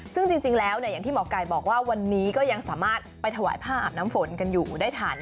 ซึ่งจริงแล้วอย่างที่หมอไก่บอกว่าวันนี้ก็ยังสามารถไปถวายผ้าอาบน้ำฝนกันอยู่ได้ทัน